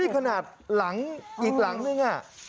ขนาดหลังอีกหลังนึง